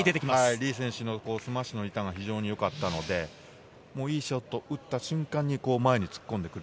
リ選手のスマッシュのリターンが非常によかったので、打った瞬間に前に突っ込んでくる。